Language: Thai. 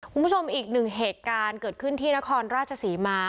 คุณผู้ชมอีกหนึ่งเหตุการณ์เกิดขึ้นที่นครราชศรีมา